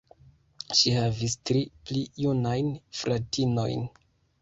Ŝi havis tri pli junajn fratinojn.